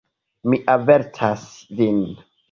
Mi avertas vin.